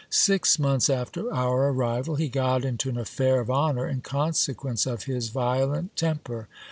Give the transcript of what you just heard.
Six months after our arrival, he got into an affair of honour in consequence of his violent temper.